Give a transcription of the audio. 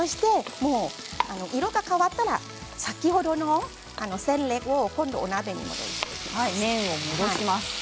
色が変わったら先ほどの麺をお鍋に戻します。